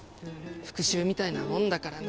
復讐みたいなもんだからな。